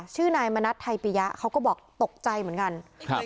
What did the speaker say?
ชื่อนายมณัฐไทยปียะเขาก็บอกตกใจเหมือนกันครับ